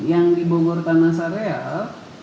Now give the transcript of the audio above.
yang di bogor tanah sareal